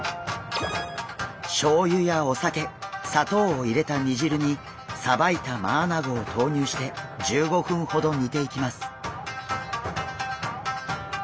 しょうゆやお酒砂糖を入れた煮汁にさばいたマアナゴを投入して１５分ほど煮ていきます。